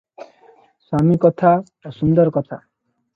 ସ୍ୱାମୀ କଥା- ଅସୁନ୍ଦର କଥା ।